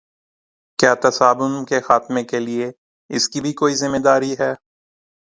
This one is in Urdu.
کیا تصادم کے خاتمے کے لیے اس کی بھی کوئی ذمہ داری ہے؟